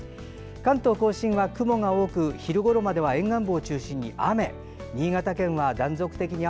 関東・甲信は雲が多く昼ごろまでは沿岸部を中心に雨。